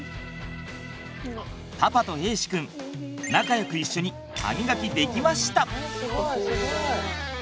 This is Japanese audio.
パパと瑛志くん仲良く一緒に歯みがきできました！